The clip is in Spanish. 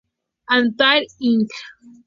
Atari Inc.